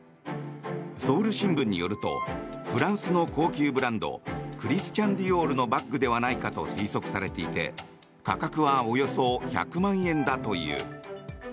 ソウル新聞によるとフランスの高級ブランドクリスチャン・ディオールのバッグではないかと推測されていて価格はおよそ１００万円だという。